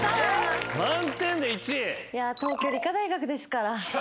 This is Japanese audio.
東京理科大学ですから。